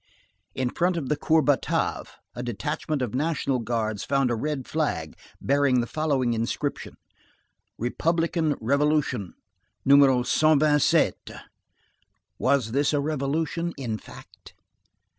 In front of the Cour Batave, a detachment of National Guards found a red flag bearing the following inscription: Republican revolution, No. 127. Was this a revolution, in fact?